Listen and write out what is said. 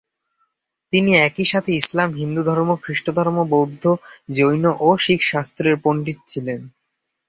তিনি একইসাথে ইসলাম, হিন্দুধর্ম, খ্রিস্টধর্ম, বৌদ্ধ, জৈন ও শিখ শাস্ত্রের পণ্ডিত ছিলেন।